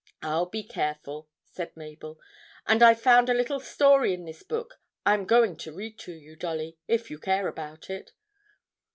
'I'll be careful,' said Mabel, 'and I've found a little story in this book I am going to read to you, Dolly, if you care about it.'